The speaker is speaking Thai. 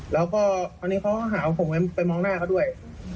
แล้วก็คราวนี้เขาก็หาว่าผมไปมองหน้าเขาด้วย